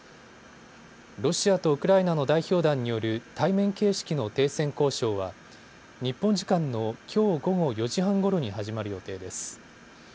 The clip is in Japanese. ロシアとウクライナの代表団による対面形式の停戦交渉は日本時間のきょう午後４時半ごろに始まる予定です。